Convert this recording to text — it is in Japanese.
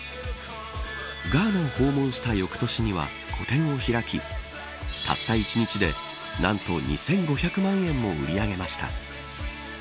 ガーナを訪問した翌年には個展を開きたった一日でなんと２５００万円も売り上げました。